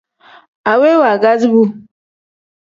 Aweyi waagazi bu.